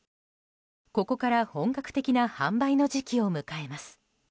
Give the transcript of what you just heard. ここから本格的な販売の時期を迎えます。